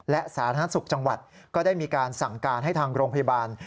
และสาธารณสุขจังหวัดก็ได้มีการสั่งการให้ทางโรงพยาบาล